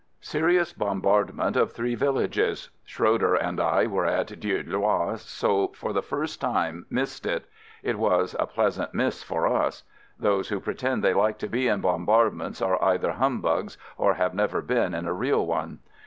Serious bombardment of three villages. Schroeder and I were at Dieulouard, so for the first time missed it. It was a pleasant miss for us. Those who pretend they like to be in bombardments are either hum bugs or have never been in a real one.